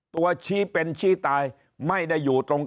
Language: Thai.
ชี้เป็นชี้ตายไม่ได้อยู่ตรง